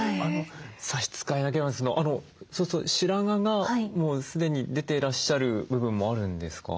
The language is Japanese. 差し支えなければそうすると白髪がもう既に出ていらっしゃる部分もあるんですか？